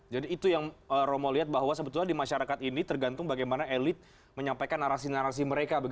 jadi itu yang rombo lihat bahwa sebetulnya di masyarakat ini tergantung bagaimana elit menyampaikan narasi narasi mereka